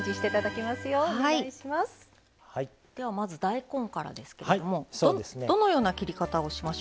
ではまず大根からですけれどもどのような切り方をしましょうか。